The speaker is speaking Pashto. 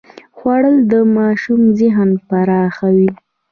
خوړل د ماشوم ذهن پراخوي